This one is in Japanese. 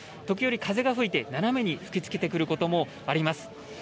時折、風が吹いて斜めに吹きつけてくることもあります。